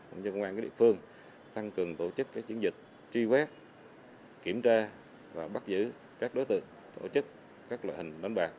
cũng như công an các địa phương tăng cường tổ chức các chiến dịch truy quét kiểm tra và bắt giữ các đối tượng tổ chức các loại hình đánh bạc